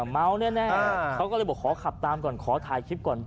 เมาแน่เขาก็เลยบอกขอขับตามก่อนขอถ่ายคลิปก่อน